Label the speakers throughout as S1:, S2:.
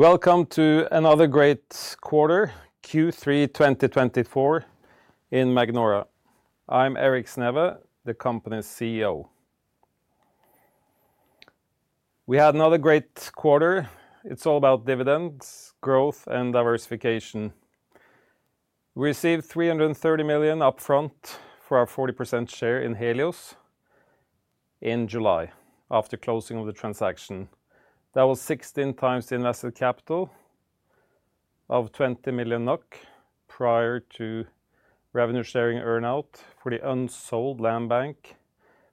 S1: ...Welcome to another great quarter, Q3 2024 in Magnora. I'm Erik Sneve, the company's CEO. We had another great quarter. It's all about dividends, growth, and diversification. We received 330 million upfront for our 40% share in Helios in July, after closing of the transaction. That was 16x the invested capital of 20 million NOK, prior to revenue sharing earn-out for the unsold land bank,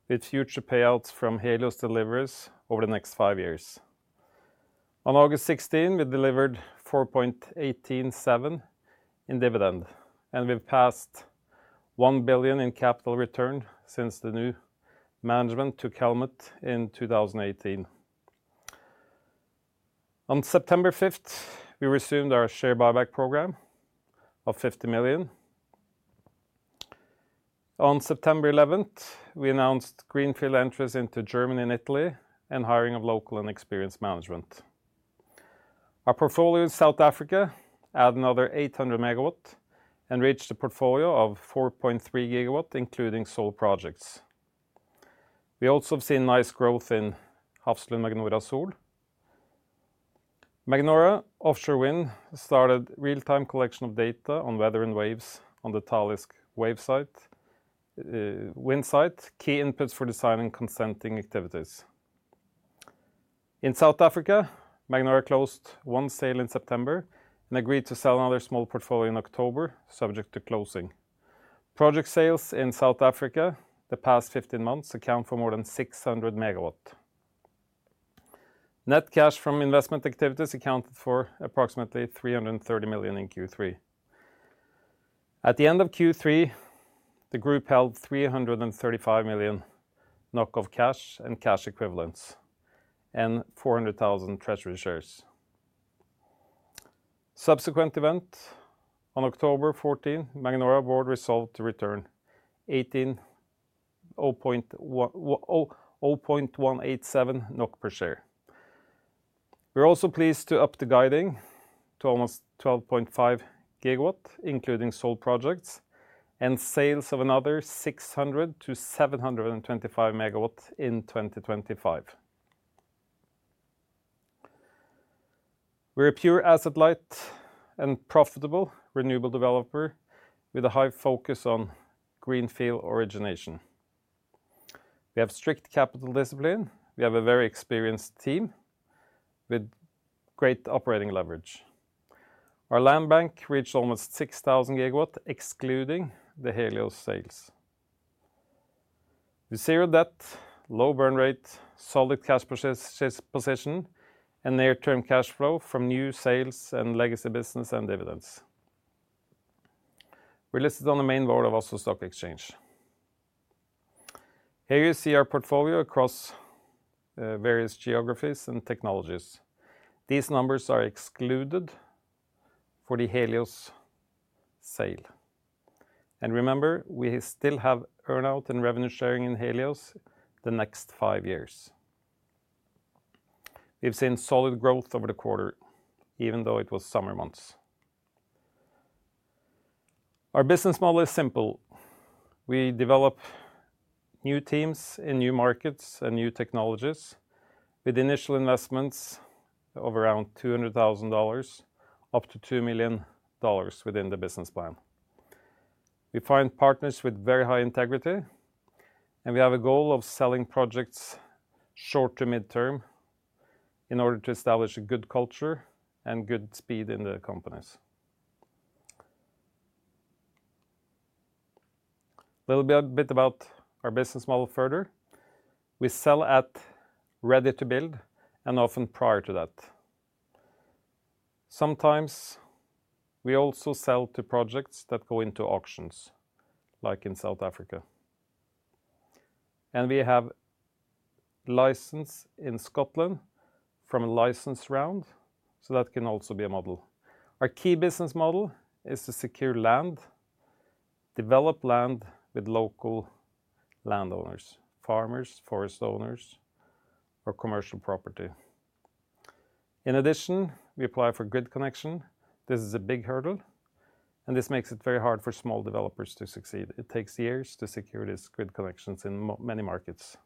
S1: with future payouts from Helios delivers over the next five years. On August 16, we delivered 4.187 in dividend, and we've passed 1 billion in capital return since the new management took the helmet in 2018. On September 5th, we resumed our share buyback program of 50 million. On September 11th, we announced greenfield entries into Germany and Italy, and hiring of local and experienced management. Our portfolio in South Africa add another 800 MW and reached a portfolio of 4.3 GW, including solar projects. We also have seen nice growth in Hafslund Magnora Sol. Magnora Offshore Wind started real-time collection of data on weather and waves on the Talisk wave site, wind site, key inputs for designing consenting activities. In South Africa, Magnora closed one sale in September and agreed to sell another small portfolio in October, subject to closing. Project sales in South Africa, the past fifteen months, account for more than 600 MW. Net cash from investment activities accounted for approximately 330 million in Q3. At the end of Q3, the group held 335 million NOK of cash and cash equivalents, and 400,000 treasury shares. Subsequent event, on October 14, Magnora board resolved to return 0.187 NOK per share. We're also pleased to up the guidance to almost 12.5 GW, including solar projects, and sales of another 600-725 MW in 2025. We're a pure asset-light and profitable renewable developer with a high focus on greenfield origination. We have strict capital discipline. We have a very experienced team with great operating leverage. Our land bank reached almost 6,000 GW, excluding the Helios sales. With zero debt, low burn rate, solid cash position, and near-term cash flow from new sales and legacy business and dividends. We're listed on the main board of Oslo Stock Exchange. Here you see our portfolio across various geographies and technologies. These numbers are excluded for the Helios sale. Remember, we still have earn-out and revenue sharing in Helios the next five years. We've seen solid growth over the quarter, even though it was summer months. Our business model is simple. We develop new teams in new markets and new technologies with initial investments of around $200,000, up to $2 million within the business plan. We find partners with very high integrity, and we have a goal of selling projects short to mid-term in order to establish a good culture and good speed in the companies. A little bit about our business model further. We sell at ready-to-build and often prior to that. Sometimes we also sell to projects that go into auctions, like in South Africa. We have license in Scotland from a license round, so that can also be a model. Our key business model is to secure land, develop land with local landowners, farmers, forest owners, or commercial property. In addition, we apply for grid connection. This is a big hurdle, and this makes it very hard for small developers to succeed. It takes years to secure these grid connections in many markets.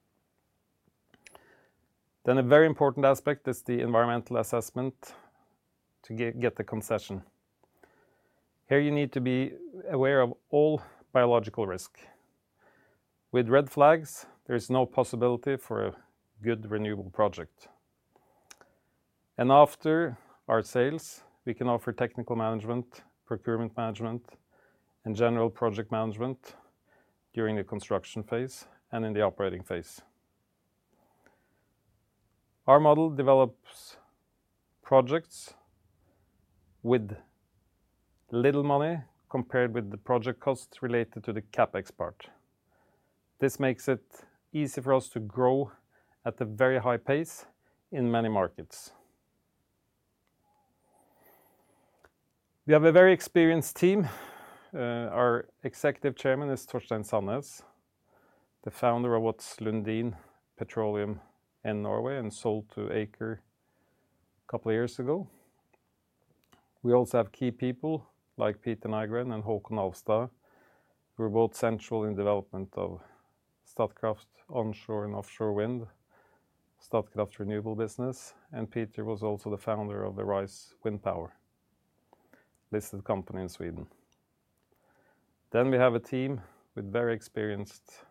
S1: Then a very important aspect is the environmental assessment to get the concession. Here, you need to be aware of all biological risk. With red flags, there is no possibility for a good renewable project. And after our sales, we can offer technical management, procurement management, and general project management during the construction phase and in the operating phase. Our model develops projects with little money compared with the project costs related to the CapEx part. This makes it easy for us to grow at a very high pace in many markets.... We have a very experienced team. Our executive chairman is Torstein Sanness, the founder of what was Lundin Petroleum in Norway, and sold to Aker a couple of years ago. We also have key people like Peter Nygren and Haakon Alfstad, who were both central in development of Statkraft Onshore and Offshore Wind, Statkraft's Renewable business, and Peter was also the founder of the Arise Windpower, listed company in Sweden. Then we have a team with very experienced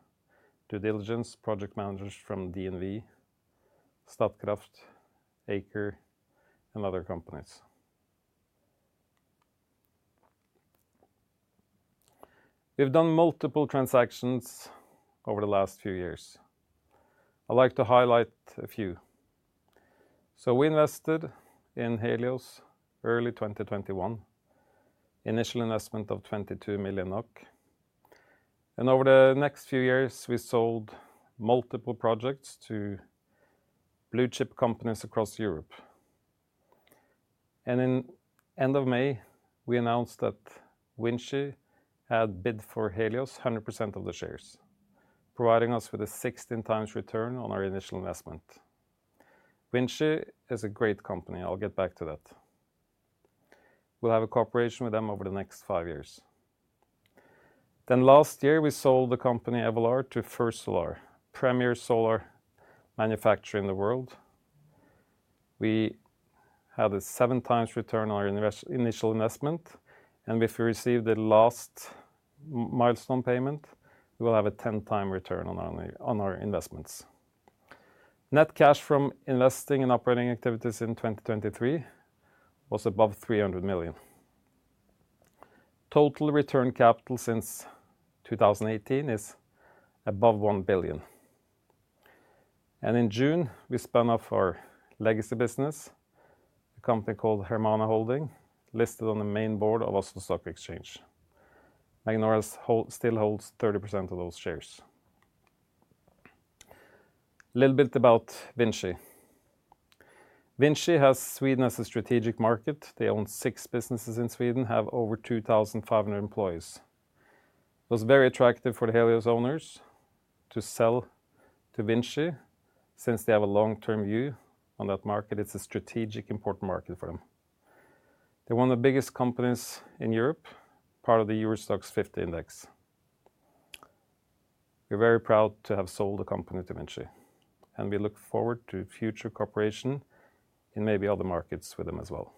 S1: due diligence, project managers from DNV, Statkraft, Aker, and other companies. We've done multiple transactions over the last few years. I'd like to highlight a few. So we invested in Helios early 2021, initial investment of 22 million NOK. And over the next few years, we sold multiple projects to blue chip companies across Europe. At the end of May, we announced that VINCI had bid for Helios, 100% of the shares, providing us with a 16x return on our initial investment. VINCI is a great company. I'll get back to that. We'll have a cooperation with them over the next five years. Last year, we sold the company Evolar to First Solar, premier solar manufacturer in the world. We had a 7x return on our initial investment, and if we receive the last milestone payment, we will have a 10x return on our investments. Net cash from investing and operating activities in 2023 was above 300 million. Total return capital since 2018 is above 1 billion. In June, we spun off our legacy business, a company called Hermana Holding, listed on the main board of Oslo Stock Exchange. Magnora still holds 30% of those shares. A little bit about VINCI. VINCI has Sweden as a strategic market. They own six businesses in Sweden, have over 2,500 employees. It was very attractive for the Helios owners to sell to VINCI, since they have a long-term view on that market. It's a strategic, important market for them. They're one of the biggest companies in Europe, part of the Euro Stoxx 50 index. We're very proud to have sold the company to VINCI, and we look forward to future cooperation in maybe other markets with them as well.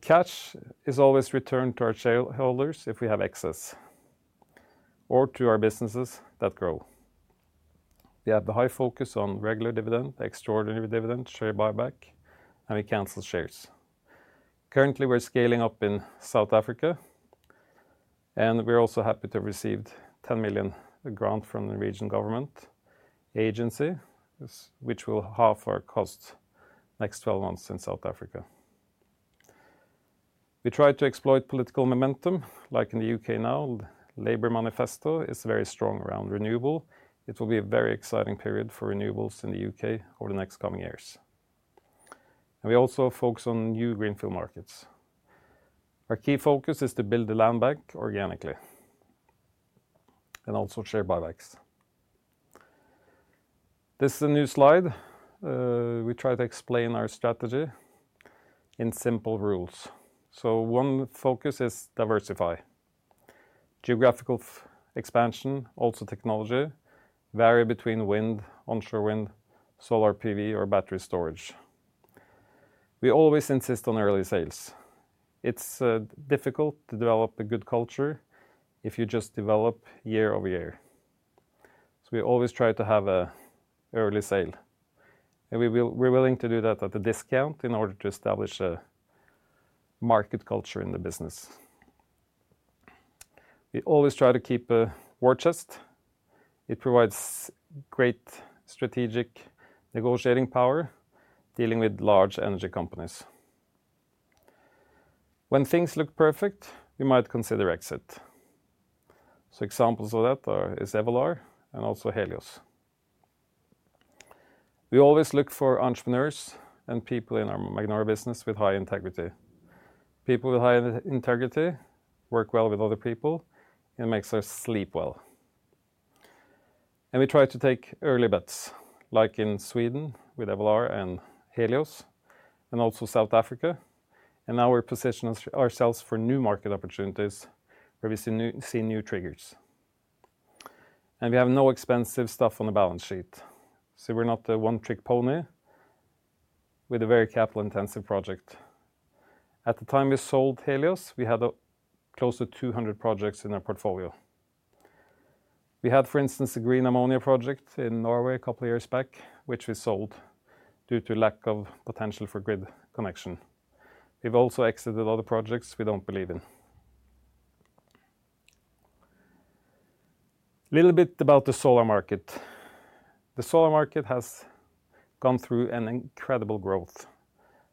S1: Cash is always returned to our shareholders if we have excess, or to our businesses that grow. We have the high focus on regular dividend, extraordinary dividend, share buyback, and we cancel shares. Currently, we're scaling up in South Africa, and we're also happy to have received 10 million grant from the regional government agency, which will halve our cost next 12 months in South Africa. We try to exploit political momentum, like in the U.K. now. Labour manifesto is very strong around renewables. It will be a very exciting period for renewables in the U.K. over the next coming years, and we also focus on new greenfield markets. Our key focus is to build the land bank organically, and also share buybacks. This is a new slide. We try to explain our strategy in simple rules. So one focus is diversify. Geographical expansion, also technology, vary between wind, Onshore Wind, solar PV, or battery storage. We always insist on early sales. It's difficult to develop a good culture if you just develop year over year, so we always try to have an early sale, and we're willing to do that at a discount in order to establish a market culture in the business. We always try to keep a war chest. It provides great strategic negotiating power, dealing with large energy companies. When things look perfect, we might consider exit. So examples of that are Evolar and also Helios. We always look for entrepreneurs and people in our Magnora business with high integrity. People with high integrity work well with other people, and it makes us sleep well. We try to take early bets, like in Sweden with Evolar and Helios, and also South Africa, and now we're positioning ourselves for new market opportunities where we see new triggers. And we have no expensive stuff on the balance sheet, so we're not a one-trick pony with a very capital-intensive project. At the time we sold Helios, we had close to two hundred projects in our portfolio. We had, for instance, a green ammonia project in Norway a couple of years back, which we sold due to lack of potential for grid connection. We've also exited a lot of projects we don't believe in. Little bit about the solar market. The solar market has gone through an incredible growth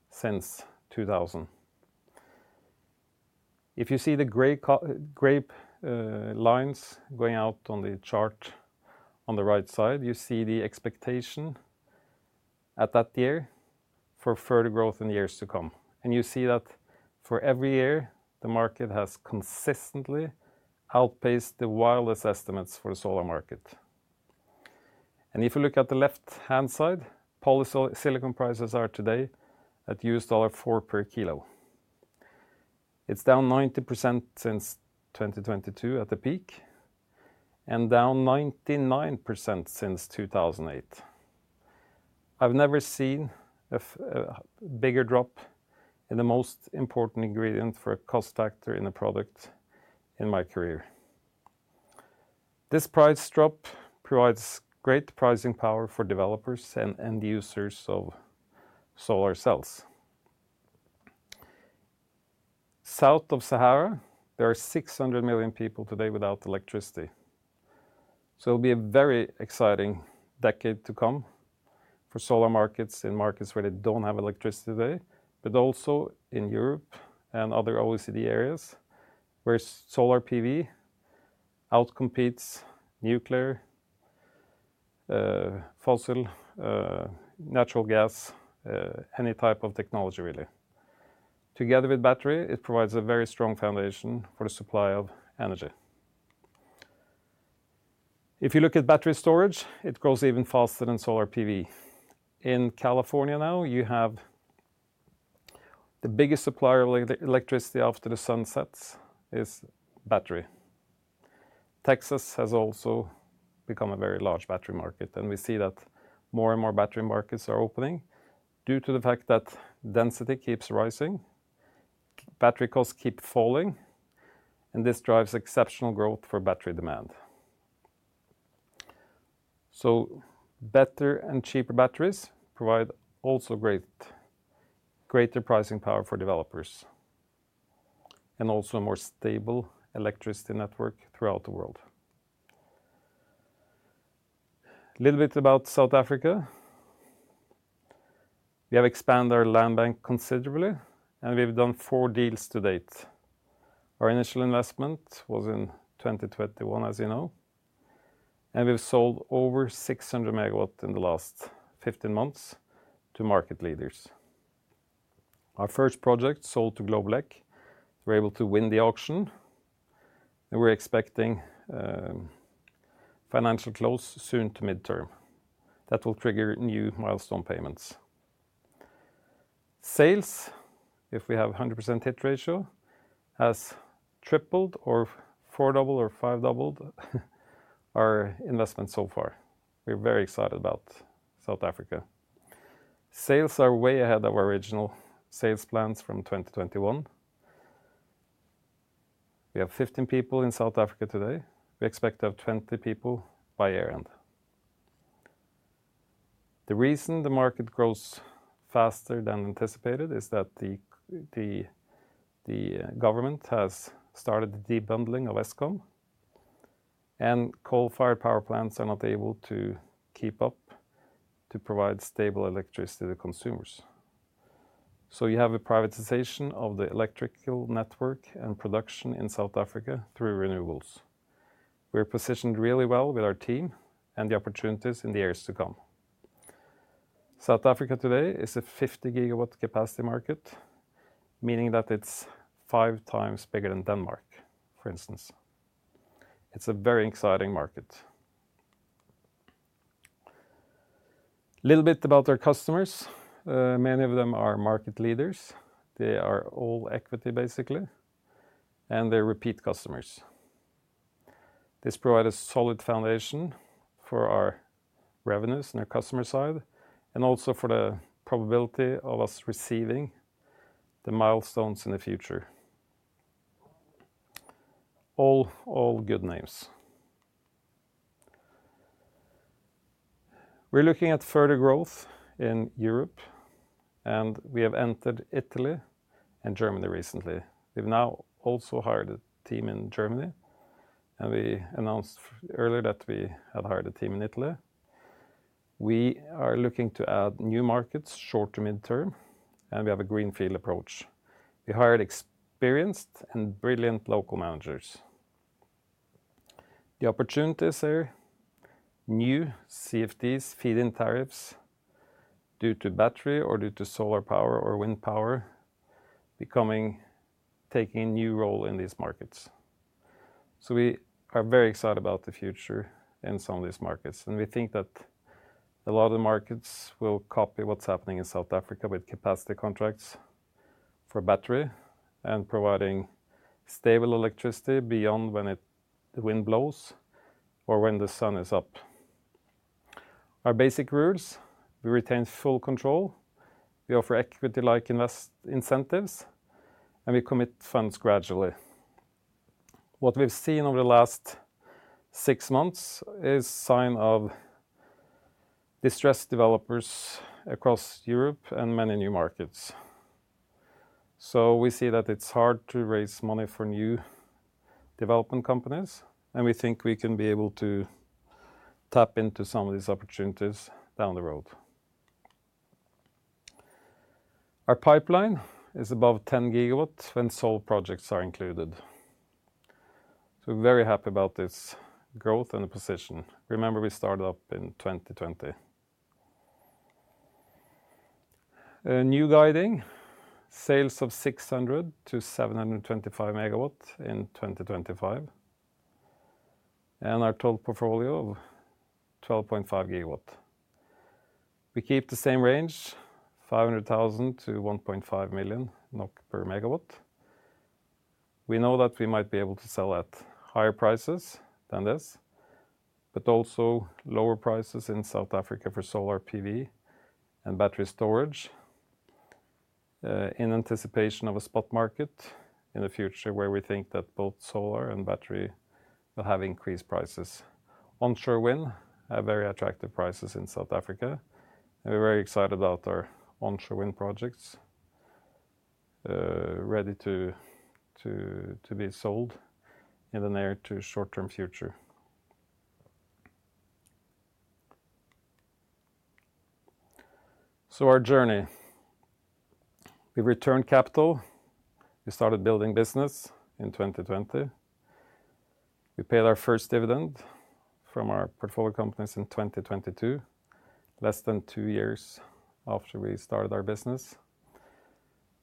S1: since two thousand. If you see the gray lines going out on the chart on the right side, you see the expectation at that year for further growth in the years to come. And you see that for every year, the market has consistently outpaced the wildest estimates for the solar market. If you look at the left-hand side, polysilicon prices are today at $4 per kilo. It's down 90% since 2022 at the peak, and down 99% since 2008. I've never seen a bigger drop in the most important ingredient for a cost factor in a product in my career. This price drop provides great pricing power for developers and end users of solar cells. South of Sahara, there are 600 million people today without electricity, so it'll be a very exciting decade to come for solar markets in markets where they don't have electricity today, but also in Europe and other OECD areas, where solar PV outcompetes nuclear, fossil, natural gas, any type of technology, really. Together with battery, it provides a very strong foundation for the supply of energy. If you look at battery storage, it grows even faster than solar PV. In California now, you have the biggest supplier of electricity after the sun sets is battery. Texas has also become a very large battery market, and we see that more and more battery markets are opening due to the fact that density keeps rising, battery costs keep falling, and this drives exceptional growth for battery demand. So better and cheaper batteries provide also greater pricing power for developers and also a more stable electricity network throughout the world. Little bit about South Africa. We have expanded our land bank considerably, and we've done four deals to date. Our initial investment was in twenty twenty-one, as you know, and we've sold over 600 MW in the last 15 months to market leaders. Our first project sold to Globeleq. We're able to win the auction, and we're expecting financial close soon to midterm. That will trigger new milestone payments. Sales, if we have a 100% hit ratio, has tripled or four double or five doubled our investment so far. We're very excited about South Africa. Sales are way ahead of our original sales plans from 2021. We have 15 people in South Africa today. We expect to have 20 people by year-end. The reason the market grows faster than anticipated is that the government has started the debundling of Eskom, and coal-fired power plants are not able to keep up to provide stable electricity to consumers. You have a privatization of the electrical network and production in South Africa through renewables. We're positioned really well with our team and the opportunities in the years to come. South Africa today is a 50 GW capacity market, meaning that it's five times bigger than Denmark, for instance. It's a very exciting market. Little bit about our customers. Many of them are market leaders. They are all equity, basically, and they're repeat customers. This provide a solid foundation for our revenues on the customer side and also for the probability of us receiving the milestones in the future. All good names. We're looking at further growth in Europe, and we have entered Italy and Germany recently. We've now also hired a team in Germany, and we announced earlier that we had hired a team in Italy. We are looking to add new markets short to midterm, and we have a greenfield approach. We hired experienced and brilliant local managers. The opportunities there, new CfDs, feed-in tariffs, due to battery or due to solar power or wind power, becoming... taking a new role in these markets. We are very excited about the future in some of these markets, and we think that a lot of the markets will copy what's happening in South Africa with capacity contracts for battery and providing stable electricity beyond when it, the wind blows or when the sun is up. Our basic rules: we retain full control, we offer equity-like investment incentives, and we commit funds gradually. What we've seen over the last six months is signs of distressed developers across Europe and many new markets. We see that it's hard to raise money for new development companies, and we think we can be able to tap into some of these opportunities down the road. Our pipeline is above 10 GW when solar projects are included. We're very happy about this growth and the position. Remember, we started up in 2020. New guidance, sales of 600-725 MW in 2025, and our total portfolio of 12.5 GW. We keep the same range, 500,000-1.5 million NOK per MW. We know that we might be able to sell at higher prices than this, but also lower prices in South Africa for solar PV and battery storage, in anticipation of a spot market in the future, where we think that both solar and battery will have increased prices. Onshore Wind have very attractive prices in South Africa. We're very excited about our Onshore Wind projects, ready to be sold in the near- to short-term future. So our journey. We returned capital. We started building business in 2020. We paid our first dividend from our portfolio companies in twenty twenty-two, less than two years after we started our business.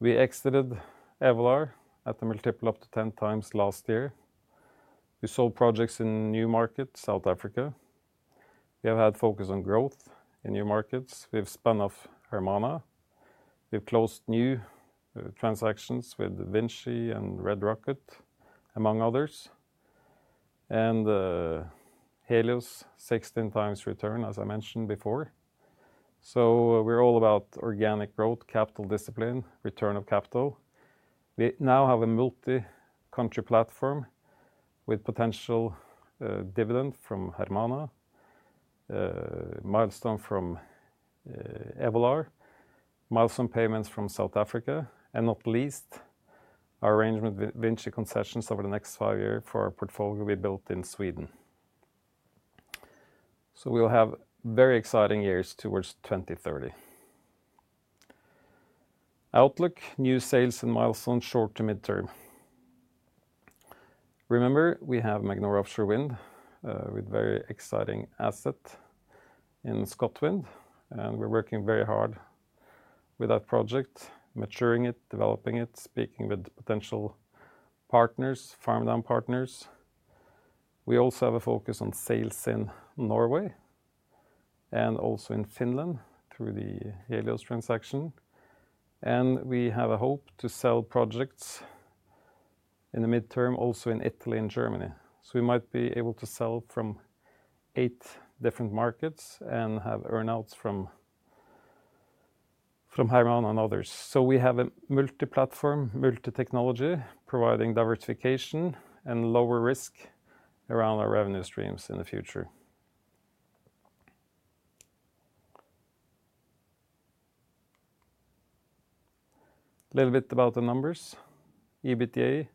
S1: We exited Evolar at a multiple up to 10x last year. We sold projects in new market, South Africa. We have had focus on growth in new markets. We've spun off Hermana. We've closed new transactions with VINCI and Red Rocket, among others, and Helios, 16x return, as I mentioned before, so we're all about organic growth, capital discipline, return of capital. We now have a multi-country platform with potential dividend from Hermana, milestone from Evolar, milestone payments from South Africa, and not least, our arrangement with VINCI Concessions over the next five years for our portfolio we built in Sweden, so we'll have very exciting years towards twenty thirty. Outlook, new sales and milestones, short to midterm. Remember, we have Magnora Offshore Wind with very exciting asset in ScotWind, and we're working very hard with that project, maturing it, developing it, speaking with potential partners, farm down partners. We also have a focus on sales in Norway and also in Finland through the Helios transaction, and we have a hope to sell projects in the midterm, also in Italy and Germany. So we might be able to sell from eight different markets and have earn-outs from Hermana and others. So we have a multi-platform, multi-technology, providing diversification and lower risk around our revenue streams in the future. A little bit about the numbers. EBITDA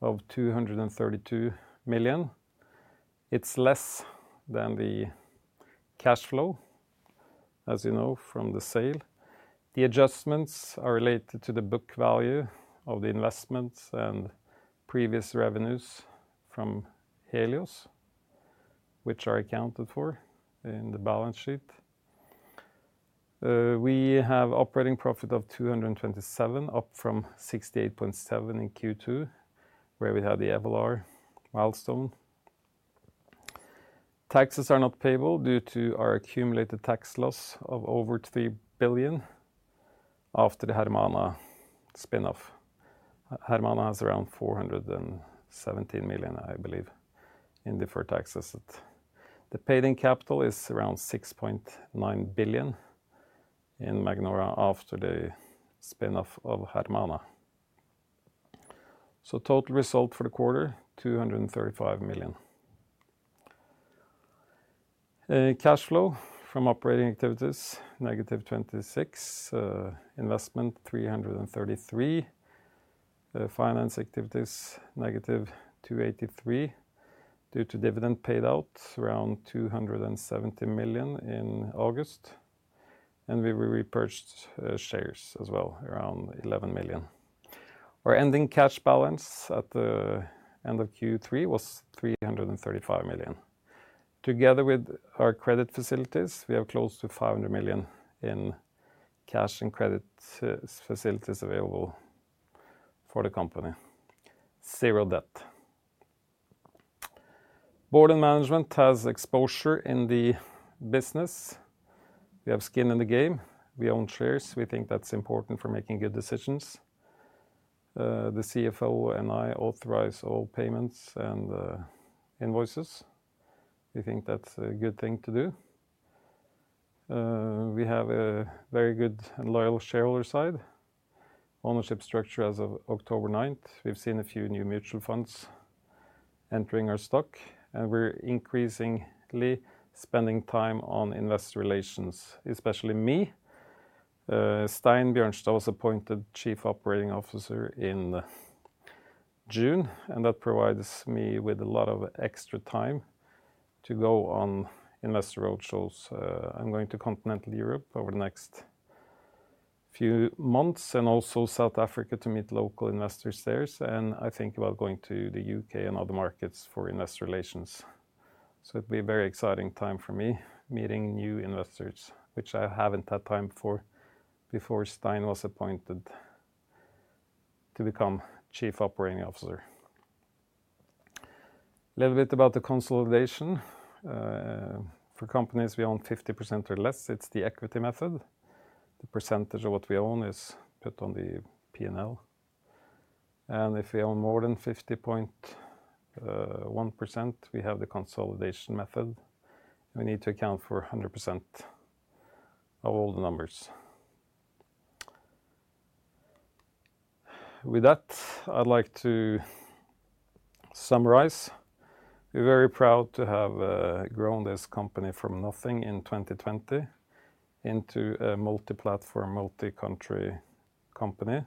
S1: of 232 million. It's less than the cash flow, as you know, from the sale. The adjustments are related to the book value of the investments and previous revenues from Helios, which are accounted for in the balance sheet. We have operating profit of 227 million, up from 68.7 million in Q2, where we had the Evolar milestone. Taxes are not payable due to our accumulated tax loss of over 3 billion after the Hermana spin-off. Hermana has around 417 million, I believe, in deferred taxes. The paid-in capital is around 6.9 billion in Magnora after the spin-off of Hermana. So total result for the quarter, 235 million. Cash flow from operating activities, negative 26 million. Investment, 333 million. Finance activities, 283 million, due to dividend paid out, around 270 million in August, and we repurchased shares as well, around 11 million. Our ending cash balance at the end of Q3 was 335 million. Together with our credit facilities, we have close to 500 million in cash and credit facilities available for the company. Zero debt. Board and management has exposure in the business. We have skin in the game. We own shares. We think that's important for making good decisions. The CFO and I authorize all payments and invoices. We think that's a good thing to do. We have a very good and loyal shareholder side. Ownership structure as of October ninth, we've seen a few new mutual funds entering our stock, and we're increasingly spending time on investor relations, especially me. Stein Bjørnstad was appointed Chief Operating Officer in June, and that provides me with a lot of extra time to go on investor roadshows. I'm going to continental Europe over the next few months, and also South Africa to meet local investors there, and I think about going to the U.K. and other markets for investor relations. So it'll be a very exciting time for me, meeting new investors, which I haven't had time for before Stein was appointed to become Chief Operating Officer. A little bit about the consolidation. For companies we own 50% or less, it's the equity method. The percentage of what we own is put on the P&L, and if we own more than 50.1%, we have the consolidation method, and we need to account for 100% of all the numbers. With that, I'd like to summarize. We're very proud to have grown this company from nothing in 2020 into a multi-platform, multi-country company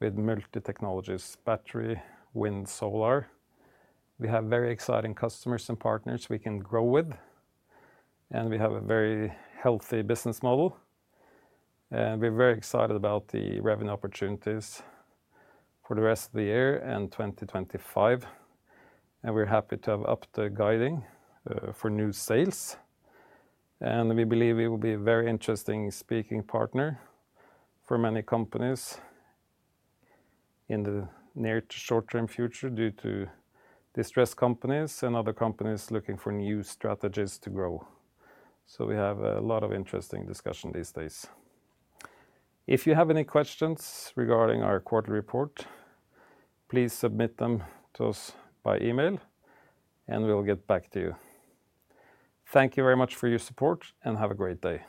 S1: with multi technologies, battery, wind, solar. We have very exciting customers and partners we can grow with, and we have a very healthy business model, and we're very excited about the revenue opportunities for the rest of the year and 2025, and we're happy to have upped the guiding for new sales, and we believe it will be a very interesting speaking partner for many companies in the near to short-term future due to distressed companies and other companies looking for new strategies to grow, so we have a lot of interesting discussion these days. If you have any questions regarding our quarterly report, please submit them to us by email, and we'll get back to you. Thank you very much for your support, and have a great day.